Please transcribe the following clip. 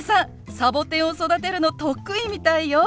サボテンを育てるの得意みたいよ。